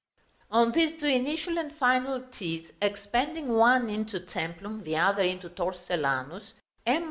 On these two initial and final T's, expanding one into Templum, the other into Torcellanus, M.